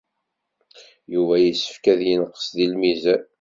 Yuba yessefk ad yenqes deg lmizan.